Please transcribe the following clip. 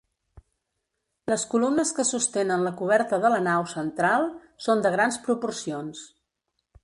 Les columnes que sostenen la coberta de la nau central són de grans proporcions.